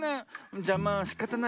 じゃまあしかたないわ。